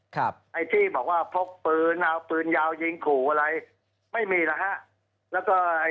คนที่จัดการปืนยาวยิงขู่อะไรไม่มีแล้ว